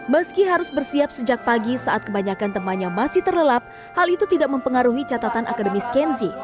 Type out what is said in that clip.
meski harus bersiap sejak pagi saat kebanyakan temannya masih terlelap hal itu tidak mempengaruhi catatan akademis kenzi